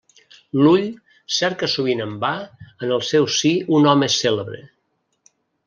L'ull cerca sovint en va en el seu si un home cèlebre.